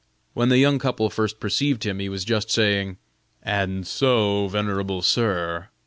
When the young couple first perceived him, he was just saying "And so, venerable sir.